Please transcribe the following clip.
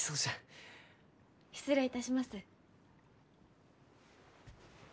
失礼いたします。